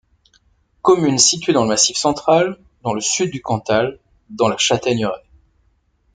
Commune située dans le Massif central, dans le sud du Cantal, dans la Châtaigneraie.